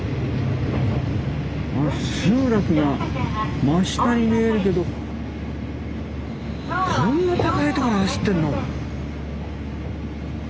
あっ集落が真下に見えるけどこんな高い所走ってんの。